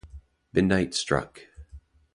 Midnight struck.